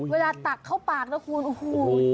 เวลาตักเข้าปากนะคุณโอ้โฮ